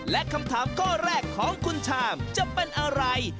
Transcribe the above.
และคำถามข้อแรกของคุณชามจะเป็นอะไร